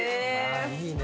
いいね。